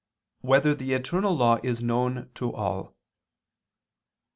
2] Whether the Eternal Law Is Known to All?